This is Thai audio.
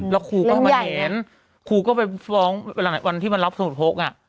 แล้วครูก็เอามาเห็นครูก็ไปฟ้องวันที่มันรับสนุนพกอ่ะ